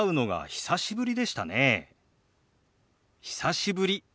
久しぶり。